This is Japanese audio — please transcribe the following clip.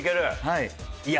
はい。